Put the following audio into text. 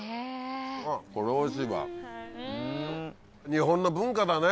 日本の文化だね。